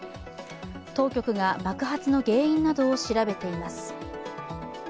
当局が爆発の原因などを調べています。